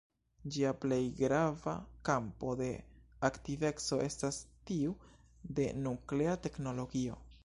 Ĝia plej grava kampo de aktiveco estas tiu de nuklea teknologio.